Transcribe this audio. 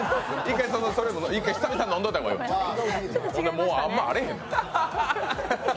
もうあんまあれへん。